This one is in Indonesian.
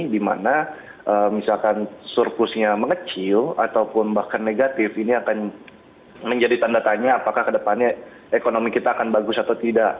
dimana misalkan surplusnya mengecil ataupun bahkan negatif ini akan menjadi tanda tanya apakah kedepannya ekonomi kita akan bagus atau tidak